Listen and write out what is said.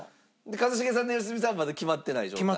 一茂さんと良純さんはまだ決まっていない状態。